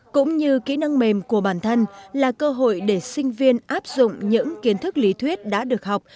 cũng như kỹ năng mềm của bản thân là cơ hội để sinh viên áp dụng những kiến thức lý thuyết đã được học